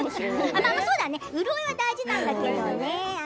潤いは大事なんだけどね。